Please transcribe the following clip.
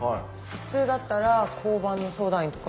普通だったら交番の相談員とか？